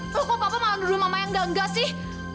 loh kok papa malah nuduh mama yang gak gak sih